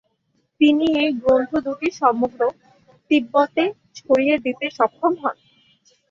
তিনি এই গ্রন্থ দুটি সমগ্র তিব্বতে ছড়িয়ে দিতে সক্ষম হন।